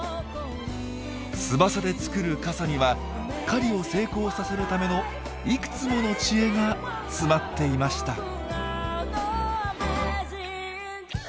翼で作る傘には狩りを成功させるためのいくつもの知恵が詰まっていました。